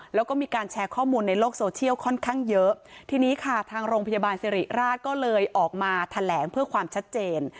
แล้วก็มีการแชร์ข้อมูลในโลกโซเชียลค่อนข้างเยอะทีนี้ค่ะทางโรงพยาบาลสิริราชก็เลยออกมาแถลงเพื่อความชัดเจน